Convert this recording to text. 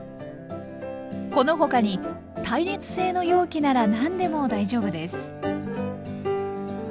この他に耐熱性の容器なら何でも大丈夫です。